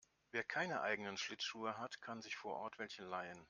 Wer keine eigenen Schlittschuhe hat, kann sich vor Ort welche leihen.